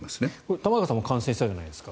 玉川さんも感染したじゃないですか。